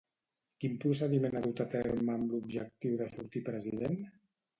Quin procediment ha dut a terme amb l'objectiu de sortir president?